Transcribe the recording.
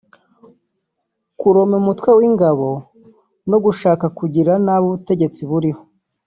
kurema umutwe w’ingabo no gushaka kugirira nabi ubutegetsi buriho